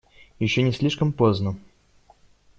Еще не слишком поздно.